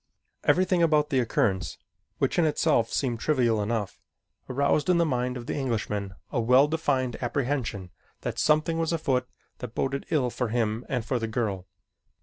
Everything about the occurrence, which in itself seemed trivial enough, aroused in the mind of the Englishman a well defined apprehension that something was afoot that boded ill for him and for the girl.